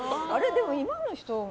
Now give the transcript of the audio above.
でも今の人